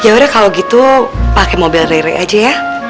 jawabannya kalau gitu pakai mobil rere aja ya